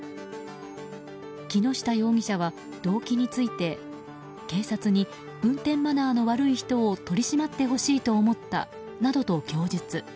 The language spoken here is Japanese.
木下容疑者は動機について警察に運転マナーの悪い人を取り締まってほしいと思ったなどと供述。